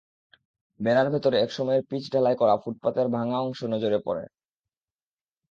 বেড়ার ভেতরে একসময়ের পিচ ঢালাই করা ফুটপাতের ভাঙা অংশ নজরে পড়ে।